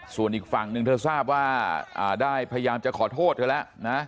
ส่วนอีกฝั่งหนึ่งเธอทราบว่าได้พยายามจะขอโทษเธอแล้วนะ